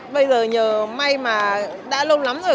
bây giờ nhờ may mà đã lâu lắm rồi